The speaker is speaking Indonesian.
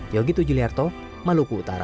yogi tujuliarto maluku utara